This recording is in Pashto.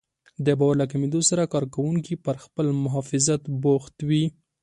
د باور له کمېدو سره کار کوونکي پر خپل محافظت بوخت وي.